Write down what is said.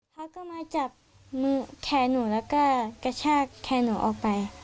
เขาก็มาจับมือแคร์หนูแล้วก็กระชากแคร์หนูออกไป